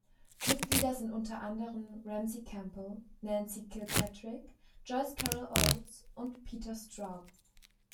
Mitglieder sind unter anderem Ramsey Campbell, Nancy Kilpatrick, Joyce Carol Oates und Peter Straub.